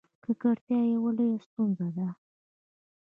ککړتیا یوه لویه ستونزه ده.